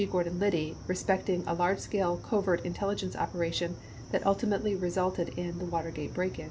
Gordon Liddy respecting a large scale covert intelligence operation that ultimately resulted in the Watergate break in.